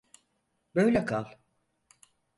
Böyle kal.